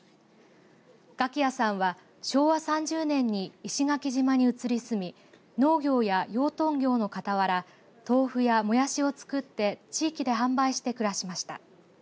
我喜屋さんは昭和３０年に石垣島に移り住み農協や養豚業のかたわら豆腐や、もやしを作って地域で販売して暮らしました。